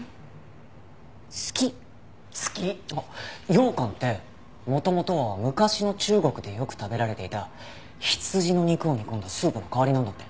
羊羹って元々は昔の中国でよく食べられていた羊の肉を煮込んだスープの代わりなんだって。